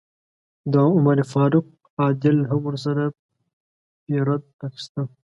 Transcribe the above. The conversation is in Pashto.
د عمر فاروق عادل هم ورسره پیرډ اخیسته.